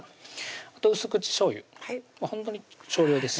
あと薄口しょうゆほんとに少量です